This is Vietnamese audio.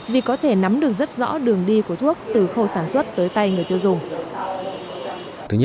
vì có thể nắm được rất rõ đường đi của thuốc từ khâu sản xuất tới tay người tiêu dùng